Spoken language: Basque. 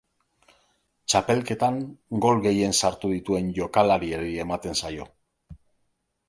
Txapelketan gol gehien sartu dituen jokalariari ematen zaio.